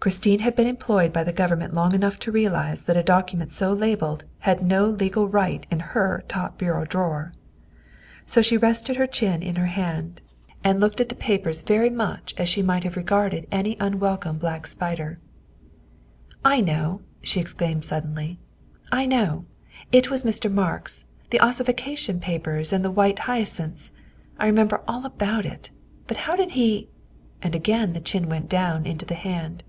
Christine had been employed by the Government long enough to realize that a document so labelled had no legal right in her top bureau drawer. So she rested her chin in her hand and looked at the 208 THE WIFE OF papers very much as she might have regarded an un welcome black spider. " I know," she exclaimed suddenly, " I know. It was Mr. Marks the ossification papers and the white hyacinths. I remember all about it, but how did he " and again the chin went down into the hand.